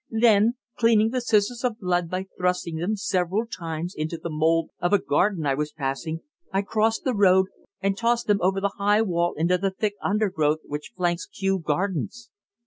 Then, cleaning the scissors of blood by thrusting them several times into the mould of a garden I was passing, I crossed the road and tossed them over the high wall into the thick undergrowth which flanks Kew Gardens.